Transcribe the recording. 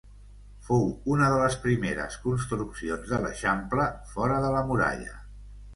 Fou una de les primeres construccions de l'Eixample, fora de la muralla.